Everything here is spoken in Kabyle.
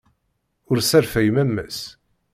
Ur sserfay mamma-s.